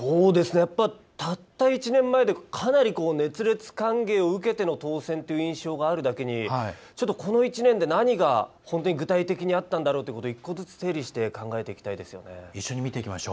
やっぱり、たった１年前かなり、熱烈歓迎を受けての当選という印象があるだけにこの１年で、何が具体的にあったんだろうということを１個ずつ整理して考えていきたいですね。